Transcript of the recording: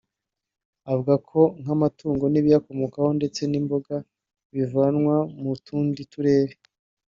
Avuga ko nk’amatungo n’ibiyakomokaho ndetse n’imboga bivanwa mu tundi Turere